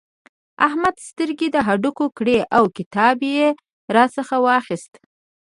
احمد سترګې د هډوکې کړې او کتاب يې راڅخه واخيست.